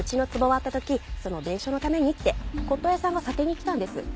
割った時その弁償のためにって骨董屋さんが査定に来たんです。